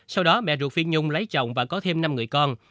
sau đó mẹ ruột phiên nhung lấy chồng và có thêm năm người con